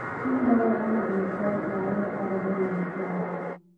کوم ډول ونه د مسواک جوړولو لپاره ډېره مشهوره ده؟